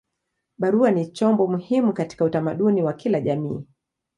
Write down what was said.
Barua ni chombo muhimu katika utamaduni wa kila jamii.